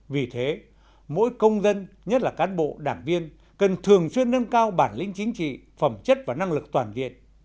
vì thế mỗi công dân nhất là cán bộ đảng viên cần thường xuyên nâng cao bản lĩnh chính trị phẩm chất và năng lực toàn diện